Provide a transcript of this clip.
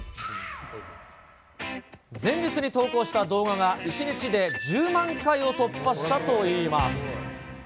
前日に投稿した動画が１日で１０万回を突破したといいます。